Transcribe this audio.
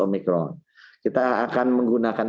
omikron kita akan menggunakan